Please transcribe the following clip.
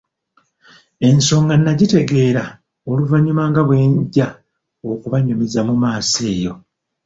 Ensonga nagitegeera oluvannyuma nga bwe nja okubanyumiza mu maaso eyo.